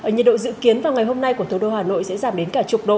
nhiệt độ dự kiến vào ngày hôm nay của thủ đô hà nội sẽ giảm đến cả chục độ